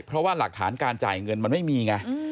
เพราะว่าหลักฐานการจ่ายเงินมันไม่มีไง